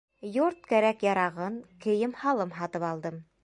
Йорт кәрәк-ярағын, кейем-һалым һатып алдым.